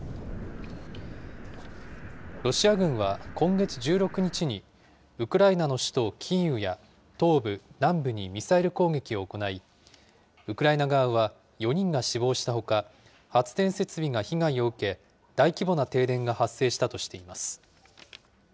ロシア軍は、今月１６日にウクライナの首都キーウや、東部、南部にミサイル攻撃を行い、ウクライナ側は４人が死亡したほか、発電設備が被害を受け、大規模な停電が発生したとしています。